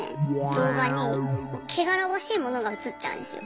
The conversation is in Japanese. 動画に汚らわしいモノが映っちゃうんですよ。